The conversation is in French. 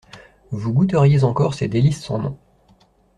Vous goûteriez encore ces délices sans nom.